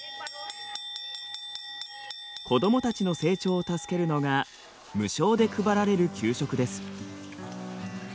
子どもたちの成長を助けるのが無償で配られる給食です。